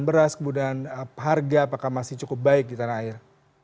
beras kemudian harga apakah masih cukup baik di tanah air